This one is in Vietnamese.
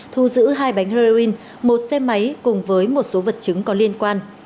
thu giữ hai bánh heroin một xe máy cùng với một số vật chứng có liên quan